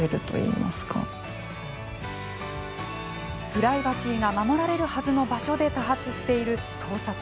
プライバシーが守られるはずの場所で多発している盗撮。